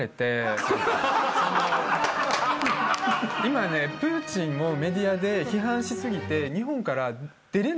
今ねプーチンをメディアで批判し過ぎて。